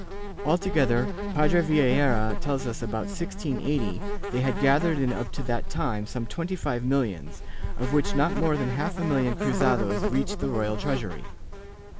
Alto gether, Padre Vieira tells us, about 1680, they had gathered in up to that time some twenty five millions, of which not more than half a million cruzados reached the royal treasury.